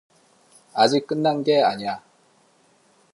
아직 끝난 게 아냐.